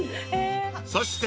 ［そして］